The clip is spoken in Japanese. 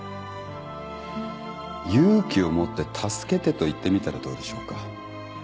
勇気を持って「助けて」と言ってみたらどうでしょうか。